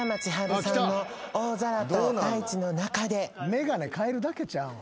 眼鏡かえるだけちゃうん？